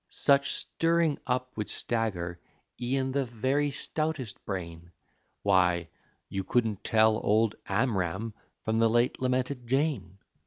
Such stirring up would stagger e'en the very stoutest brain; Why, you couldn't tell old Amram from the late lamented Jane.